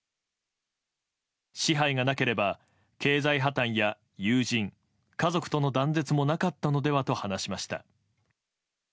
支配がなければ経済破綻や友人、家族との断絶もなかったのではと話しました。